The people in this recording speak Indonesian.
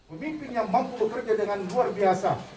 pemimpinnya mampu bekerja dengan luar biasa